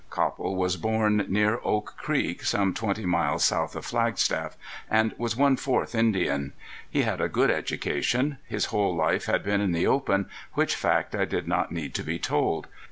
Copple was born near Oak Creek, some twenty miles south of Flagstaff, and was one fourth Indian. He had a good education. His whole life had been in the open, which fact I did not need to be told.